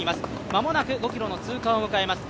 間もなく５ｋｍの通過を迎えます。